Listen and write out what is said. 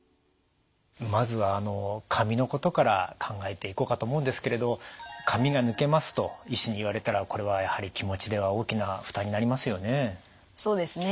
まずはあの髪のことから考えていこうかと思うんですけれど「髪が抜けます」と医師に言われたらこれはやはり気持ちでは大きな負担になりますよね。